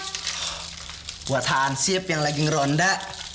buat hansip yang lagi ngeronda